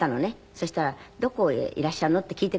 そしたら「どこへいらっしゃるの？」って聞いてくださって。